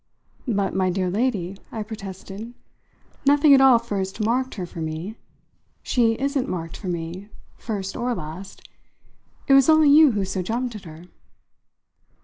"But, my dear lady," I protested, "nothing at all first marked her for me. She isn't marked for me, first or last. It was only you who so jumped at her."